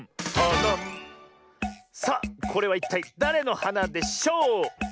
さあこれはいったいだれのはなでしょう？